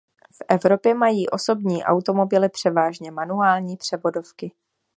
V Evropě mají osobní automobily převážně manuální převodovky.